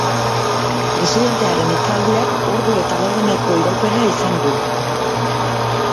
Presidentearen hitzaldiak ordu eta laurdeneko iraupena izan du.